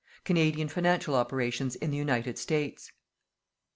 CANADIAN FINANCIAL OPERATIONS IN THE UNITED STATES.